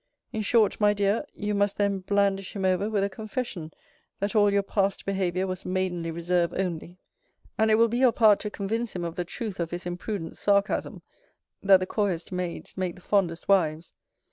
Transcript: In short, my dear, you must then blandish him over with a confession, that all your past behaviour was maidenly reserve only: and it will be your part to convince him of the truth of his imprudent sarcasm, that the coyest maids make the fondest wives.